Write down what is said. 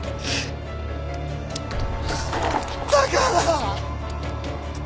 だから！